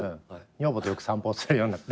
女房とよく散歩をするようになって。